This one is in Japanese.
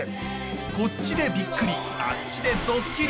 こっちでビックリあっちでドッキリ。